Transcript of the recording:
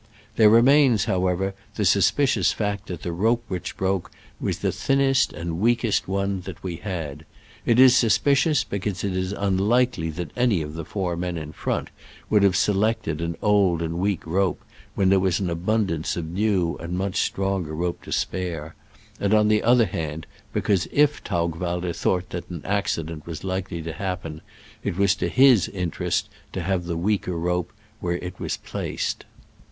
There remains, however, the suspicious fact that the rope which broke was the thinnest and weakest one that we had. It is suspicious, because it is unlikely that any of the four men in front would have selected an old and weak rope when there was abundance of new and much stronger rope to spare ; and on the other hand, because if Taugwalder thought that an accident was likely to happen, it was to his interest to have the weaker rope where it was placed.